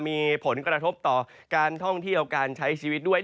มีผลกระทบต่อการท่องเที่ยวการใช้ชีวิตด้วย